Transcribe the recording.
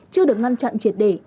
chưa được ngăn chặn triệt để